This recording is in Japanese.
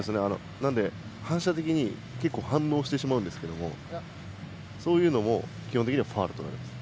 なので、反射的に結構、反応してしまうんですがそういうのも基本的にファウルとなります。